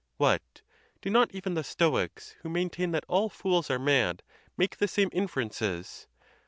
What! do not even the Stoics, who maintain that all fools are mad, make the same inferences?